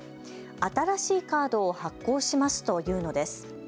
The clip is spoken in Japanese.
新しいカードを発行しますと言うのです。